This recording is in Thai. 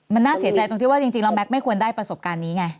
มันน่าเสียใจตรงที่ว่าจริงแล้วแก๊กไม่ควรได้ประสบการณ์นี้ไง